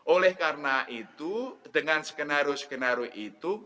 oleh karena itu dengan skenario skenario itu